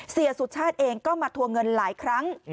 เสียสุชาติเองก็มาทวงเงินหลายครั้ง